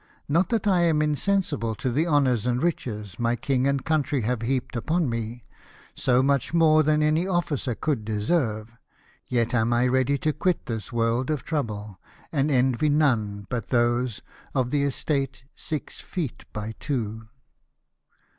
Not that I am in sensible to the honom^s and riches my king and country have heaped upon me, so much more than any officer could deserve, yet am I ready to quit this world of trouble, and envy none but those of the estate six feet by two."